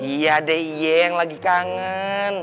iya deh iyan lagi kangen